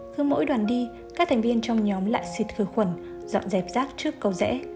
cứ mỗi đoàn đi các thành viên trong nhóm lại xịt hơi khuẩn dọn dẹp rác trước cầu rẽ